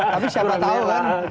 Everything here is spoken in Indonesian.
tapi siapa tahu kan